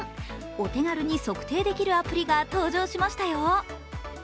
お手軽に測定できるアプリが登場しましたよ。